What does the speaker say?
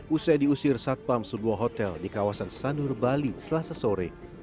usai diusir satpam sebuah hotel di kawasan sanur bali selasa sore